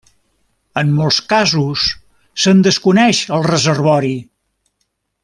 En molts casos se'n desconeix el reservori.